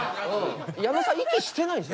矢野さん息してないですよ。